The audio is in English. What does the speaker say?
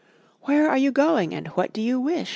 * 'Where are you going, and what do you wish?"